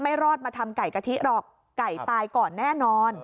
รอดมาทำไก่กะทิหรอกไก่ตายก่อนแน่นอน